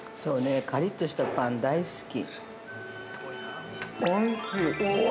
◆カリッとしたパン、大好き。